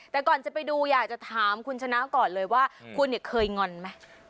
แต่ก่อนจะไปดูอยากจะถามคุณชนะก่อนเลยว่าคุณเนี่ยเคยงอนไหม